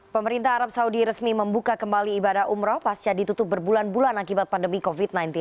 pemerintah arab saudi resmi membuka kembali ibadah umroh pasca ditutup berbulan bulan akibat pandemi covid sembilan belas